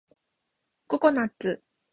ココナッツ